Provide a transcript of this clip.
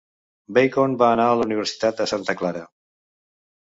Bacon va anar a la Universitat de Santa Clara.